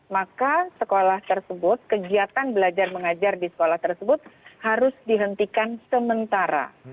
maka sekolah tersebut kegiatan belajar mengajar di sekolah tersebut harus dihentikan sementara